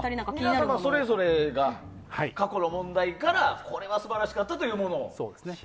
皆様それぞれが過去の問題からこれは素晴らしかったというものを？